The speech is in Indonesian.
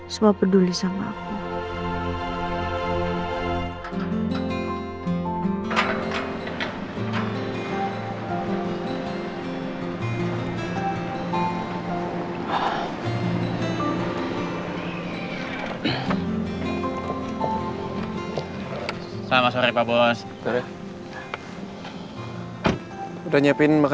semua peduli sama aku